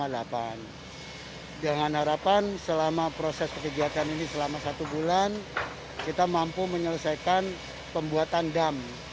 dan jangan harapan selama proses pekerjaan ini selama satu bulan kita mampu menyelesaikan pembuatan dam